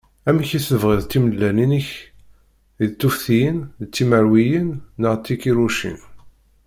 Amek i tebɣiḍ timellalin-ik? D tuftiyin, d timerwiyin neɣ d tikiṛucin?